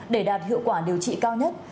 để đạt hiệu quả điều trị cao nhất